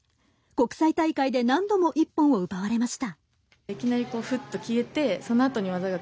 国際大会で何度も一本を奪われました。